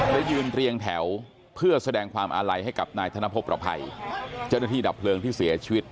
ยืนเรียงแถวเพื่อแสดงความอาลัยให้กับนายธนพบประภัยเจ้าหน้าที่ดับเพลิงที่เสียชีวิต